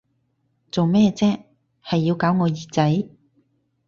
做咩啫，係要搞我耳仔！